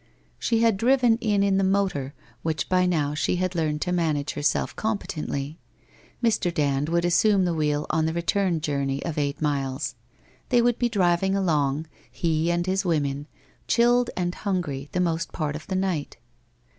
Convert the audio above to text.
She had driven in in the motor, which by now she had learned to manage herself competently. Mr. Dand would assume the wheel on the return journey of eight miles. They would be driving along, he and his women, chilled and hungry the most part of the night.